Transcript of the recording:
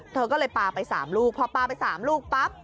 เธอก็เลยปลาไป๓ลูกพอปลาไป๓ลูกปั๊บ